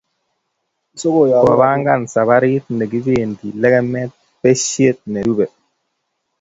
kopangan safarii nekibente lekemee beshee nirubei